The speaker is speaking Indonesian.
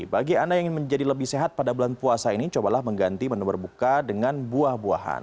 bagi anda yang ingin menjadi lebih sehat pada bulan puasa ini cobalah mengganti menu berbuka dengan buah buahan